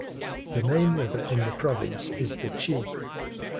The main river in the province is the Chi.